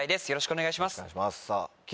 よろしくお願いします。